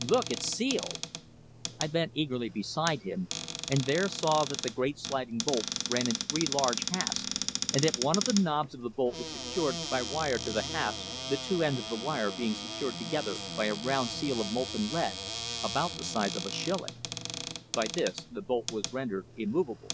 "Look! it's sealed!" I bent eagerly beside him, and there saw that the great sliding bolt ran in three large hasps, and that one of the knobs of the bolt was secured by wire to the hasp, the two ends of the wire being secured together by a round seal of molten lead about the size of a shilling. By this the bolt was rendered immovable.